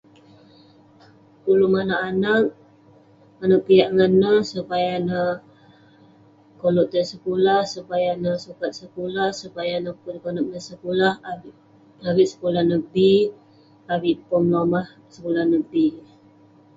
Ulouk manouk anag, manouk piak ngan neh, supaya neh koluk tai sekulah, supaya nej sukat sekulah, supaya neh pun konep neh sekulah..avik sekulah neh bi..avik pom lomah, dan neh bi